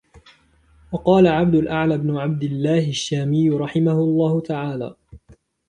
وَقَالَ عَبْدُ الْأَعْلَى بْنُ عَبْدِ اللَّهِ الشَّامِيُّ رَحِمَهُ اللَّهُ تَعَالَى